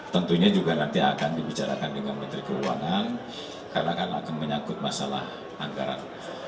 tentunya juga nanti akan dibicarakan dengan menteri keuangan karena akan menyangkut masalah anggaran